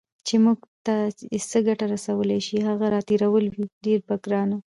چې موږ ته یې څه ګټه رسېدای شي، هغه راتېرول وي ډیر په ګرانه